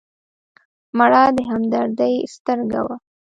مړه د همدردۍ سترګه وه